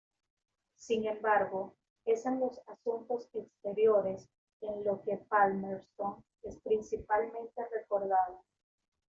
Sin embargo, es en los asuntos exteriores en lo que Palmerston es principalmente recordado.